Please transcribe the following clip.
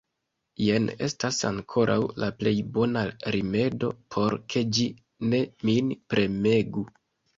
Jen estas ankoraŭ la plej bona rimedo, por ke ĝi ne min premegu.